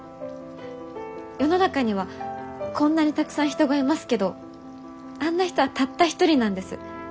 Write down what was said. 世の中にはこんなにたくさん人がいますけどあんな人はたった一人なんです。